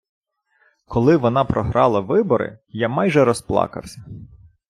Коли вона програла вибори, я майже розплакався.